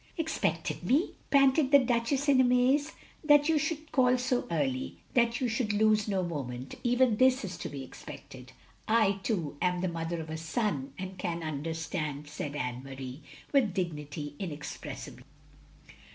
'*" Expected me? '* panted the Duchess, in amaze. " That you should call so early — ^that you should lose no moment — even this is to be expected. I too am the mother of a son, and can understand," said Anne Marie, with dignity inexpressible.